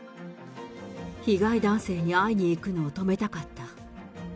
被害男性に会いに行くのを止めたかった。